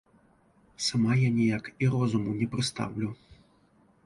Сама я ніяк і розуму не прыстаўлю.